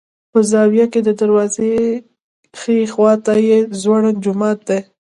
په زاویه کې د دروازې ښي خوا ته یو ځوړند جومات دی.